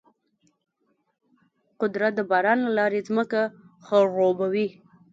قدرت د باران له لارې ځمکه خړوبوي.